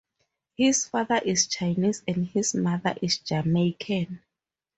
His father is Chinese and his mother is Jamaican.